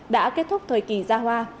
đã kết thúc thời kỳ ra hoa